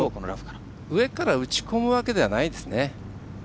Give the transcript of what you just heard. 上から打ち込むわけではないですね。